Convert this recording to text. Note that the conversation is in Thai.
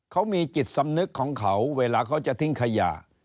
เขามีจิตสำนึกของเขาเวลาเขาจะทิ้งขยะ